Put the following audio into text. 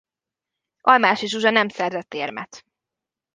Almássy Zsuzsa nem szerzett érmet.